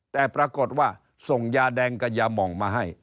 แต่ปรากฏว่าส่งยาแดงกับยามองมาให้